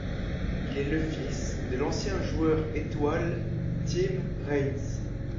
Il est le fils de l'ancien joueur étoile Tim Raines.